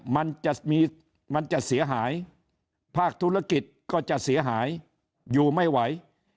มันจะมีมันจะเสียหายภาคธุรกิจก็จะเสียหายอยู่ไม่ไหว